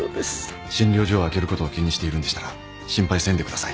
診療所を空けることを気にしているんでしたら心配せんでください。